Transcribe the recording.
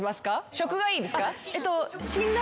食がいいですか？